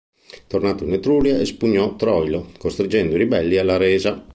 Tornato in Etruria espugnò Troilo, costringendo i ribelli alla resa.